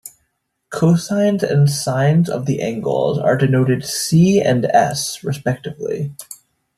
Cosines and sines of the angles are denoted "c" and "s", respectively.